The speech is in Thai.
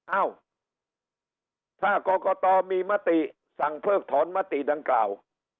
เอ้าถ้ากรกตมีมติสั่งเพิกถอนมติดังกล่าว